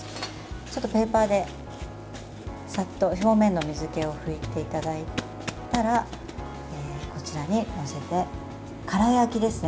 ちょっとペーパーで、サッと表面の水けを拭いていただいたらこちらに載せて空焼きですね。